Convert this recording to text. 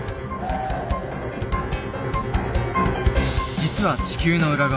実は地球の裏側